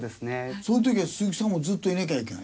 その時は鈴木さんもずっといなきゃいけない？